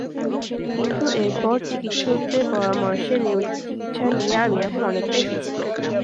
কিন্তু এরপর চিকিৎসকদের পরামর্শে নিয়মিত চিকিৎসা নিয়ে এখন আমি অনেকটাই সুস্থ।